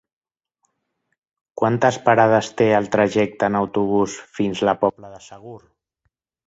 Quantes parades té el trajecte en autobús fins a la Pobla de Segur?